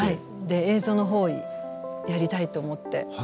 映像のほうをやりたいと思って。